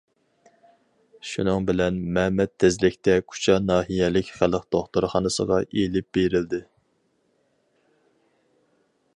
شۇنىڭ بىلەن مەمەت تېزلىكتە كۇچا ناھىيەلىك خەلق دوختۇرخانىسىغا ئېلىپ بېرىلدى.